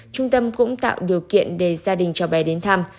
trung tâm cũng tạo điều kiện để gia đình cháu bé đến thăm